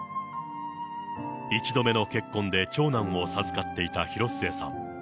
一度目の結婚で長男を授かっていた広末さん。